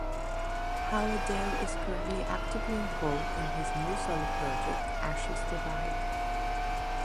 Howerdel is currently actively involved in his new solo project, Ashes Divide.